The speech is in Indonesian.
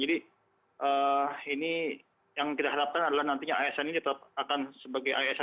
jadi ini yang kita harapkan adalah nantinya asn ini tetap akan sebagai asn indonesia